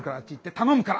頼むから！